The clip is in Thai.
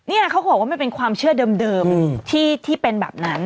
เขาบอกว่ามันเป็นความเชื่อเดิมที่เป็นแบบนั้น